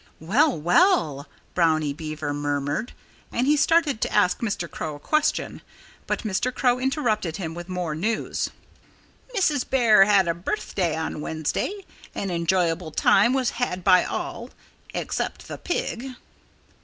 "Well, well!" Brownie Beaver murmured. And he started to ask Mr. Crow a question. But Mr. Crow interrupted him with more news. "Mrs. Bear had a birthday on Wednesday. An enjoyable time was had by all except the pig."